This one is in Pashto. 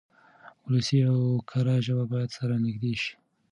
ولسي او کره ژبه بايد سره نږدې شي.